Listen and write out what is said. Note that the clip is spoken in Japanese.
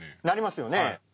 なりますよね。